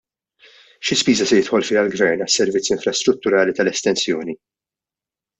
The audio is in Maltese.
Xi spiża se jidħol fiha l-Gvern għas-servizzi infrastrutturali tal-estensjoni?